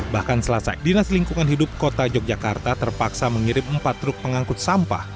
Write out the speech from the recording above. bahkan selasa dinas lingkungan hidup kota yogyakarta terpaksa mengirim empat truk pengangkut sampah